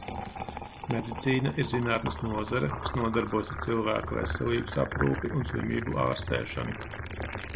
Medicīna ir zinātnes nozare, kas nodarbojas ar cilvēka veselības aprūpi un slimību ārstēšanu.